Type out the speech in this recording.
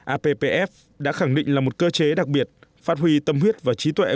appf đã khẳng định là một cơ chế đặc biệt phát huy tâm huyết và trí tuệ